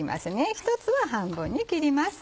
１つは半分に切ります。